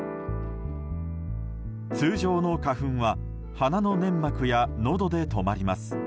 通常の花粉は鼻の粘膜やのどで止まります。